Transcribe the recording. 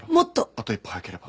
あと一歩早ければ。